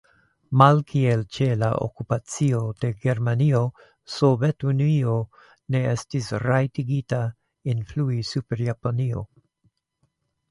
Malkiel ĉe la Okupacio de Germanio, Sovetunio ne estis rajtigita influi super Japanio.